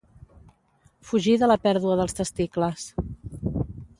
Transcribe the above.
Fugir de la pèrdua dels testicles.